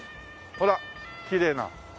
ほらきれいな。